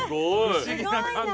不思議な感覚。